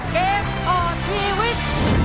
เกมต่อชีวิต